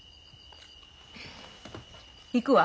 行くわ。